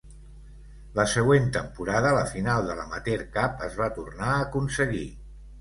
La següent temporada, la final de l'Amateur Cup es va tornar a aconseguir.